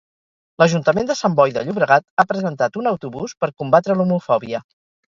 L'Ajuntament de Sant Boi de Llobregat ha presentat un autobús per combatre l'homofòbia.